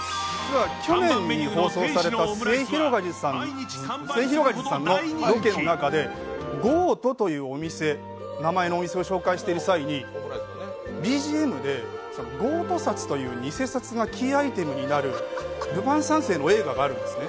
実は去年に放送されたすゑひろがりずさんのロケの中でゴートという名前のお店を紹介している際にＢＧＭで、ゴート札という偽札がキーアイテムになる「ルパン三世」の映画があるんですね。